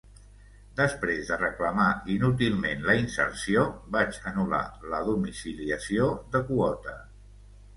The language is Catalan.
Després de reclamar inútilment la inserció vaig anul·lar la domiciliació de quota.